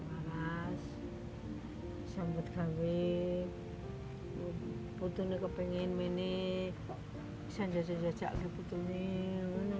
waras sambut karir putri ini kepingin putri ini bisa jajak jajak lagi putri ini